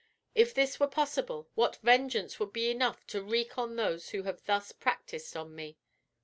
If this were possible, what vengeance would be enough to wreak on those who have thus practised on me?